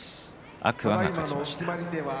天空海が勝ちました。